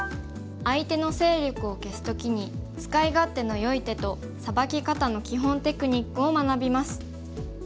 相手の勢力を消す時に使い勝手のよい手とサバキ方の基本テクニックを学びます。